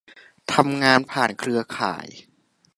ทำงานผ่านเครือข่าย